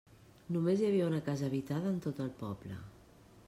Només hi havia una casa habitada en tot el poble.